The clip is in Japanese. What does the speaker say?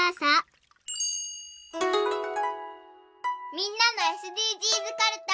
みんなのＳＤＧｓかるた。